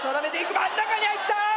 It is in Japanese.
真ん中に入った！